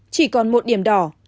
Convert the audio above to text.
chỉ còn một điểm đỏ